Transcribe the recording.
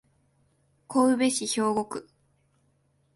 神戸市兵庫区